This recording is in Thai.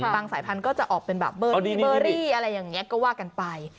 สายพันธุ์ก็จะออกเป็นแบบเบอร์รี่เบอร์รี่อะไรอย่างนี้ก็ว่ากันไป